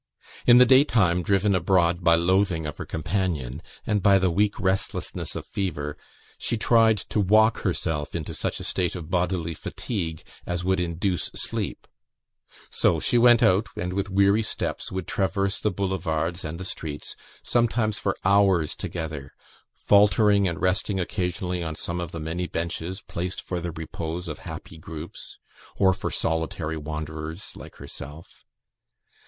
In the daytime, driven abroad by loathing of her companion and by the weak restlessness of fever, she tried to walk herself into such a state of bodily fatigue as would induce sleep. So she went out, and with weary steps would traverse the Boulevards and the streets, sometimes for hours together; faltering and resting occasionally on some of the many benches placed for the repose of happy groups, or for solitary wanderers like herself.